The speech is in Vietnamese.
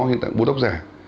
hiện tại botox giả